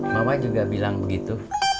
mama juga bilang begitu